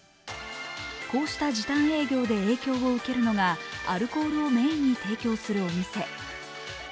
こうした時短営業で影響を受けるのが、アルコールをメインに提供するお店。